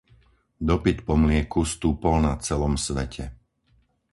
Dopyt po mlieku stúpol na celom svete.